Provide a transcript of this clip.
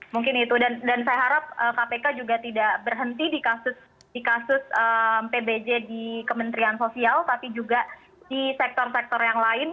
mungkin itu dan saya harap kpk juga tidak berhenti di kasus pbj di kementerian sosial tapi juga di sektor sektor yang lain